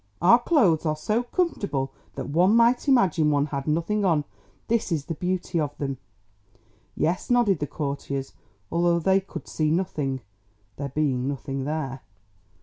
"Our clothes are so comfortable that one might imagine one had nothing on; that is the beauty of them!" "Yes," nodded the courtiers, although they could see nothing, there being nothing there.